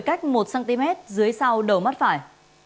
cách một cm dưới sau đầu mắt phải